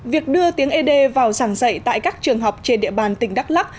việc đưa tiếng ế đê vào giảng dạy tại các trường học trên địa bàn tỉnh đắk lắc